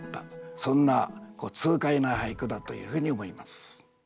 そんな痛快な俳句だというふうに思います。